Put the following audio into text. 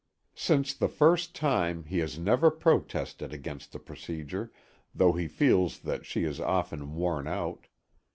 Since the first time, he has never protested against the procedure, though he feels that she is often worn out.